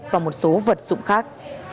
và một số vật dụng khác